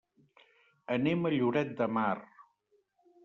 Anem a Lloret de Mar.